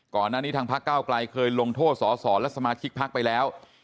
ก่อนหน้านี้ทางพักเก้าไกลเคยลงโทษสอสอและสมาชิกพักไปแล้ว